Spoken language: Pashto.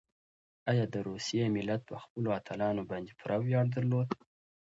ایا د روسیې ملت په خپلو اتلانو باندې پوره ویاړ درلود؟